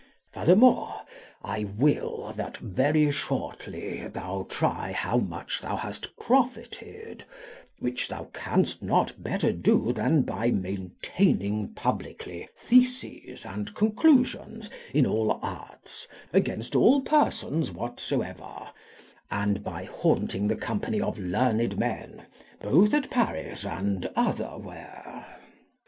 Furthermore, I will that very shortly thou try how much thou hast profited, which thou canst not better do than by maintaining publicly theses and conclusions in all arts against all persons whatsoever, and by haunting the company of learned men, both at Paris and otherwhere.